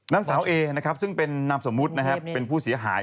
นางสาวเอซึ่งเป็นนำสมมุติเป็นผู้เสียหาย